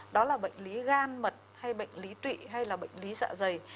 đó là bệnh lý gan mật hay bệnh lý tụy hay là bệnh lý dạ dày